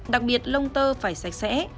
đặc biệt lông tơ phải sạch sẽ